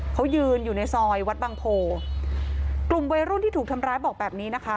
เขายืนอยู่ในซอยวัดบางโพกลุ่มวัยรุ่นที่ถูกทำร้ายบอกแบบนี้นะคะ